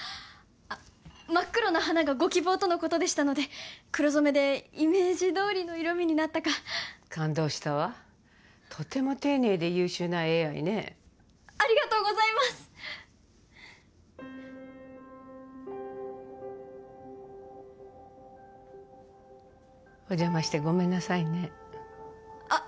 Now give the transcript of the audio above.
あっ真っ黒な花がご希望とのことでしたので黒染めでイメージどおりの色みになったか感動したわとても丁寧で優秀なＡＩねありがとうございますお邪魔してごめんなさいねあっ